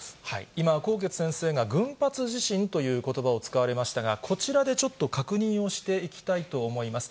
今、纐纈先生が群発地震ということばを使われましたが、こちらでちょっと確認をしていきたいと思います。